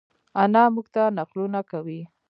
انا مونږ ته نقلونه کوی